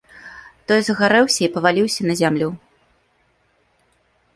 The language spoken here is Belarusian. Той загарэўся і паваліўся на зямлю.